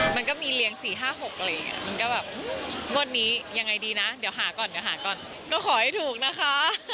มันก็มีเรียง๔๕๖อะไรอย่างนี้มันก็แบบงวดนี้ยังไงดีนะเดี๋ยวหาก่อนเดี๋ยวหาก่อนก็ขอให้ถูกนะคะ